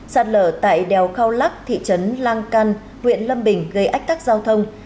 sạt lở tại đèo khao lắc thị trấn lang canh huyện lâm bình gây ách tắc giao thông